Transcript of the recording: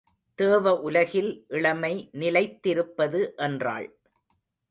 தேவ உலகில் இளமை நிலைத்திருப்பது என்றாள்.